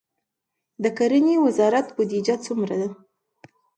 د کرنې وزارت بودیجه څومره ده؟